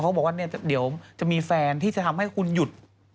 เขาบอกว่าเดี๋ยวจะมีแฟนที่จะทำให้คุณหยุด